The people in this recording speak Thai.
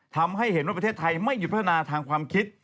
ทำให้เห็นว่าประเทศไทยไม่หยุดพัฒนาทางความคิด